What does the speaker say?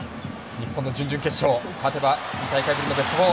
日本の準々決勝勝てば２大会ぶりのベスト４。